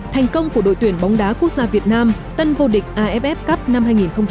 thành công của đội tuyển bóng đá quốc gia việt nam tân vô địch aff cup năm hai nghìn một mươi tám